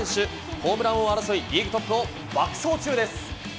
ホームラン王争い、リーグトップを爆走中です。